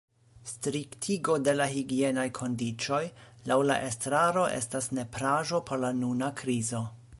Striktigo de la higienaj kondiĉoj laŭ la estraro estas nepraĵo pro la nuna krizo.